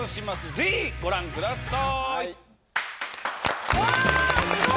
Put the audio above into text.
ぜひご覧ください。